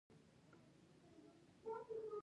هند، چین او نور هېوادونه وروسته پاتې شول.